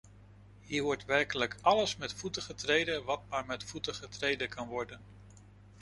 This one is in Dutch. Hier wordt werkelijk alles met voeten getreden, wat maar met voeten getreden kan worden.